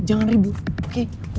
jangan ribu oke